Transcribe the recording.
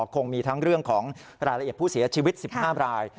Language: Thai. คงมีทั้งเรื่องของรายละเอียดผู้เสียชีวิต๑๕ราย